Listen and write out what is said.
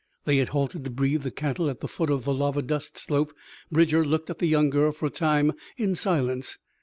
They had halted to breathe the cattle at the foot of lava dust slope. Bridger looked at the young girl for a time in silence.